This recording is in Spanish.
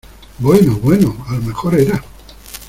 bueno, bueno , a lo mejor era